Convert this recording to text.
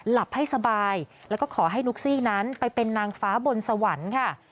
หลับให้สบายแล้วก็ขอให้นุ๊กซี่นั้นไปเป็นนางฟ้าบนสวรรค์ค่ะ